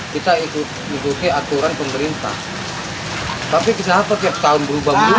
kita ikuti aturan pemerintah tapi kenapa tiap tahun berubah berubah